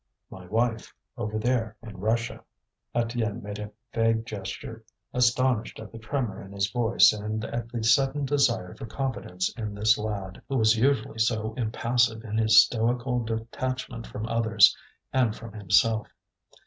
"My wife, over there, in Russia." Étienne made a vague gesture, astonished at the tremor in his voice and at the sudden desire for confidence in this lad, who was usually so impassive in his stoical detachment from others and from himself.